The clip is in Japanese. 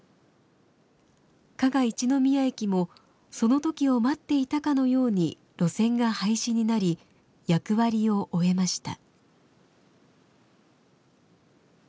加賀一の宮駅もその時を待っていたかのように路線が廃止になり役割を終えました。